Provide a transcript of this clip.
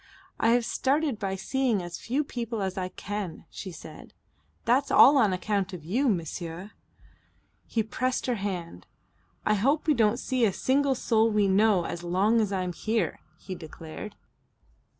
"I have started by seeing as few people as I can," she said. "That's all on account of you, monsieur." He pressed her hand. "I hope we don't see a single soul we know as long as I'm here," he declared.